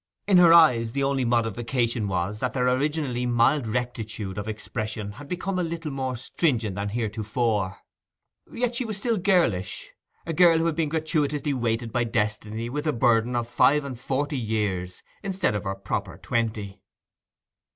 In her eyes the only modification was that their originally mild rectitude of expression had become a little more stringent than heretofore. Yet she was still girlish—a girl who had been gratuitously weighted by destiny with a burden of five and forty years instead of her proper twenty.